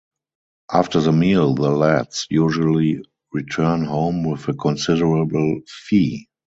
After the meal the lads usually return home with a considerable fee.